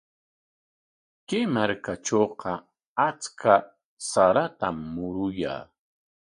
Kay markatrawqa achka saratam muruyan.